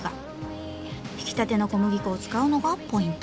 ひきたての小麦粉を使うのがポイント。